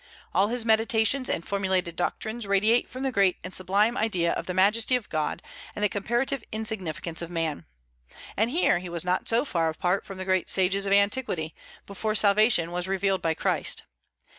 All his meditations and formulated doctrines radiate from the great and sublime idea of the majesty of God and the comparative insignificance of man. And here he was not so far apart from the great sages of antiquity, before salvation was revealed by Christ.